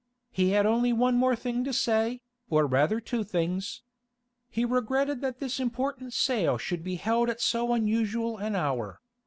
He had only one more thing to say, or rather two things. He regretted that this important sale should be held at so unusual an hour.